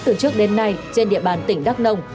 từ trước đến nay trên địa bàn tỉnh đắk nông